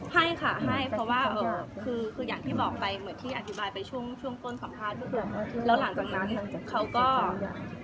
ให้ค่ะให้เพราะว่าคืออย่างที่บอกไปเหมือนพี่อธิบายไปช่วงต้นสัมภาษณ์